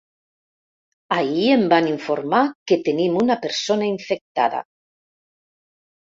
Ahir em van informar que tenim una persona infectada.